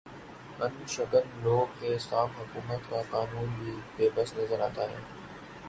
ان ق شکن لوگ کے سام حکومت کا قانون بھی بے بس نظر آتا ہے